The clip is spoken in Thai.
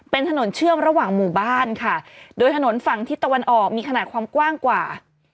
เป็นถนนเชื่อมระหว่างหมู่บ้านค่ะโดยถนนฝั่งทิศตะวันออกมีขนาดความกว้างกว่า